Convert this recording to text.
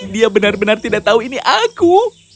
dia benar benar tidak tahu ini aku